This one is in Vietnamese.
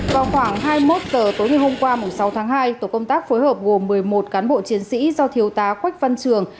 vào khoảng hai mươi một h tối ngày hôm qua sáu tháng hai tổ công tác phối hợp gồm một mươi một cán bộ chiến sĩ do thiếu tá quách văn trường